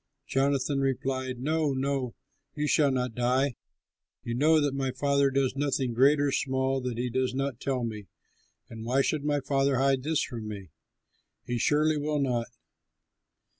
Jonathan replied, "No, no! You shall not die. You know that my father does nothing great or small that he does not tell me, and why should my father hide this from me? He surely will not."